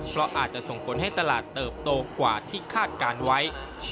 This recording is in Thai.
เพราะอาจจะส่งผลให้ตลาดเติบโตกว่าที่คาดการณ์ไว้